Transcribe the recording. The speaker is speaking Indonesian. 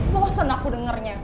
bosan aku dengarnya